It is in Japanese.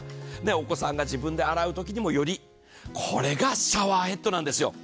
お子さんが自分で洗うときにもより、これがシャワーヘッドなんですよ。